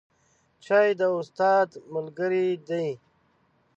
چای د استاد ملګری دی